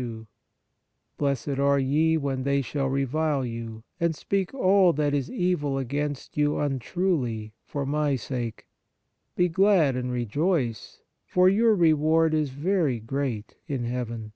t Blessed are ye when they shall revile you, and speak all that is evil against you untruly for My sake : be glad and rejoice, for your reward is very great in heaven.